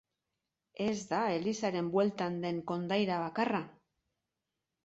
Ez da elizaren bueltan den kondaira bakarra.